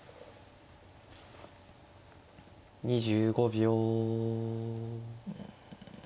２５秒。